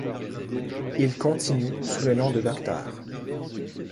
Il continue sous le nom de Dr.